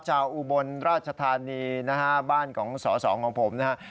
อุบลราชธานีนะฮะบ้านของสอสองของผมนะฮะ